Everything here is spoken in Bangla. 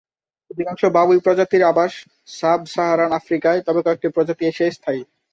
অধিকাংশ বাবুই প্রজাতির আবাস সাব-সাহারান আফ্রিকায়, তবে কয়েকটি প্রজাতি এশিয়ায় স্থায়ী।